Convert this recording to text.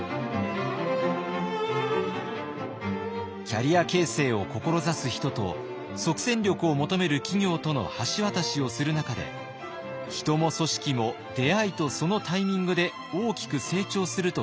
キャリア形成を志す人と即戦力を求める企業との橋渡しをする中で人も組織も出会いとそのタイミングで大きく成長すると実感しています。